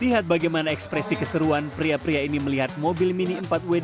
lihat bagaimana ekspresi keseruan pria pria ini melihat mobil mini empat wni